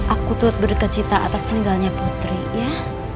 aku turut berkecita atas meninggalnya putri ya